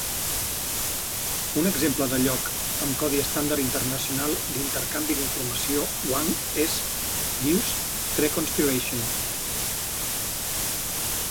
Un exemple de lloc amb codi estàndard internacional d'intercanvi d'informació Wang és "Deuce Tre- Conspiration".